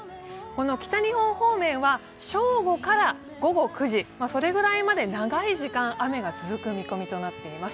北日本方面は正午から午後９時、それぐらいまで長い時間、雨が続く見込みとなっています。